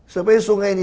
supaya sungai ini